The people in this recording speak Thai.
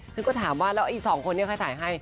ฉันก็ถามว่าแล้ว๒คนเนี่ยใครถ่ายให้